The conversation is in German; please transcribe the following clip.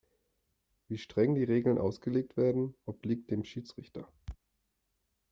Wie streng die Regeln ausgelegt werden, obliegt dem Schiedsrichter.